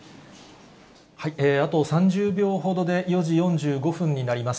あと３０秒ほどで４時４５分になります。